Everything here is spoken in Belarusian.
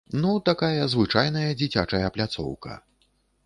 Ну, такая звычайная дзіцячая пляцоўка.